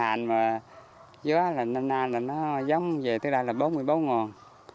hành mà gió là nà là nó giống về tới đây là bốn mươi bốn ngòn